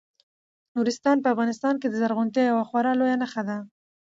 نورستان په افغانستان کې د زرغونتیا یوه خورا لویه نښه ده.